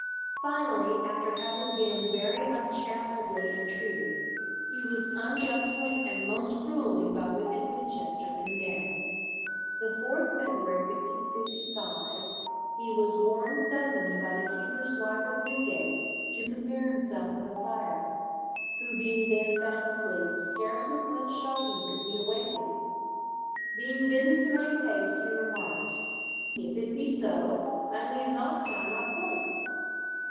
Finally, after having been "very uncharitably entreated," he was "unjustly, and most cruelly, by wicked Winchester condemned." The 4th February, 1555, he was warned suddenly by the keeper's wife of Newgate to prepare himself for the fire, "who being then found asleep, scarce with much shogging could be awakened." Being bidden to make haste, he remarked: "If it be so, I need not tie my points."